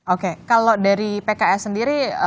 oke kalau dari pks sendiri